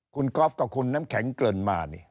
คุณกรอฟต่อคุณน้ำแข็งเกินมา